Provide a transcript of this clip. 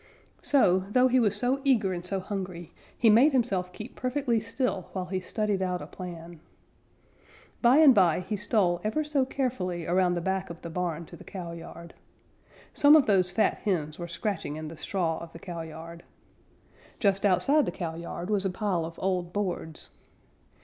So, though he was so eager and so hungry, he made himself keep perfectly still, while he studied out a plan. By and by he stole ever so carefully around back of the barn to the cowyard. Some of those fat hens were scratching in the straw of the cowyard. Just outside the cowyard was a pile of old boards.